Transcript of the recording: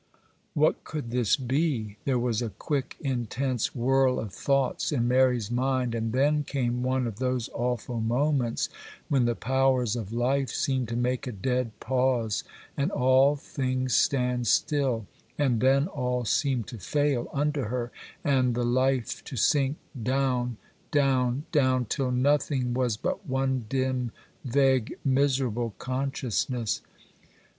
What could this be? There was a quick, intense whirl of thoughts in Mary's mind, and then came one of those awful moments when the powers of life seem to make a dead pause and all things stand still; and then all seemed to fail under her, and the life to sink down, down, down, till nothing was but one dim, vague, miserable consciousness.